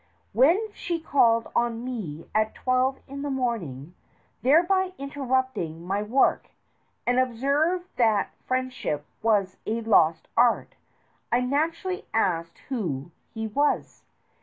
When she called on me at twelve in the morning, thereby interrupting my work, and observed that friendship was a lost art, I naturally asked who he was.